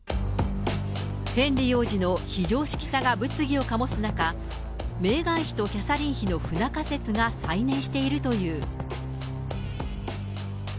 ヘンリー王子の非常識さが物議を醸す中、メーガン妃とキャサリン妃の不仲説が再燃しているという。